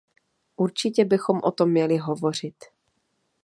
Určitě bychom o tom měli hovořit.